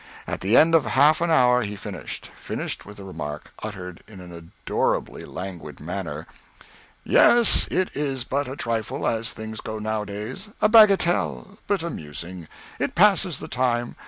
At the end of half an hour he finished; finished with the remark, uttered in an adorably languid manner: "Yes, it is but a trifle, as things go nowadays a bagatelle but amusing. It passes the time.